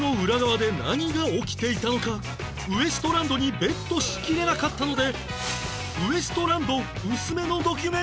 ウエストランドにベットしきれなかったので